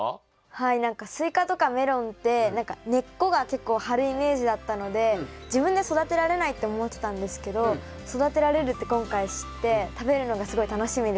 はい何かスイカとかメロンって根っこが結構張るイメージだったので自分で育てられないって思ってたんですけど育てられるって今回知って食べるのがすごい楽しみです。